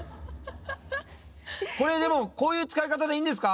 これでもこういう使い方でいいんですか？